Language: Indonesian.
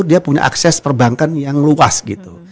dia punya akses perbankan yang luas gitu